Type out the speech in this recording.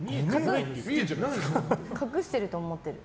隠してると思ってる。